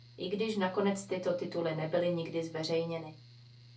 I když nakonec tyto tituly nebyly nikdy zveřejněny.